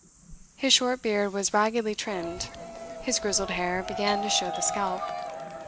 His short beard was raggedly trimmed; his grizzled hair began to show the scalp.